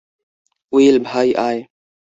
Will, ভাই, আয়।